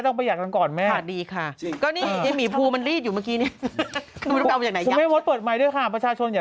ต้องไปเปิดการเคล็มในรัฐสภาลแล้วเหรอครับ